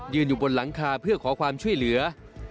อยู่บนหลังคาเพื่อขอความช่วยเหลือ